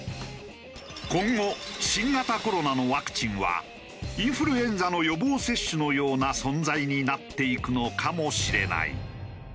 今後新型コロナのワクチンはインフルエンザの予防接種のような存在になっていくのかもしれない。